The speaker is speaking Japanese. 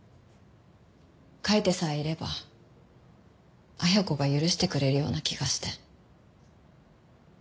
書いてさえいれば恵子が許してくれるような気がして。